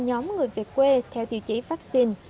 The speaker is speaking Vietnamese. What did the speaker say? nhóm người về quê theo tiêu chí vắc xin